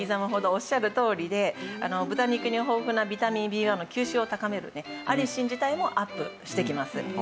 おっしゃるとおりで豚肉に豊富なビタミンＢ１の吸収を高めるアリシン自体もアップしてきます。